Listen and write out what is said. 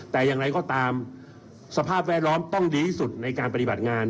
แต่อย่างไรก็ตามสภาพแวดล้อมต้องดีที่สุดในการปฏิบัติงาน